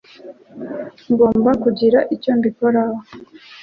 Ngomba kugira icyo mbikoraho